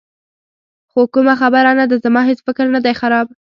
خو کومه خبره نه ده، زما هېڅ فکر نه دی خراب.